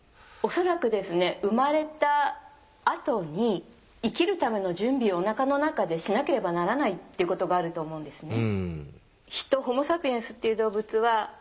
恐らくですね生まれたあとに生きるための準備をおなかの中でしなければならないということがあると思うんですね。